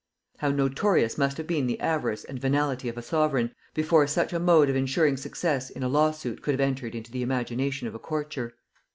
How notorious must have been the avarice and venality of a sovereign, before such a mode of insuring success in a law suit could have entered into the imagination of a courtier!